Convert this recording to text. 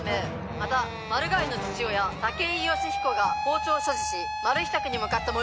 またマルガイの父親武井良彦が包丁を所持しマルヒ宅に向かったもよう。